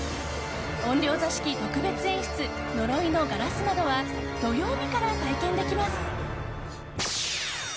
怨霊座敷特別演出呪いの硝子窓は土曜日から体験できます。